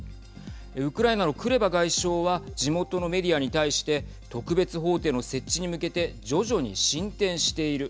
ウクライナのクレバ外相は地元のメディアに対して特別法廷の設置に向けて徐々に進展している。